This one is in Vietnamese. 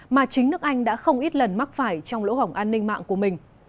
mà chính nước anh đã không ít lần mắc phải trong lỗ hỏng an ninh